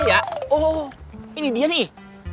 ya oh ini dia nih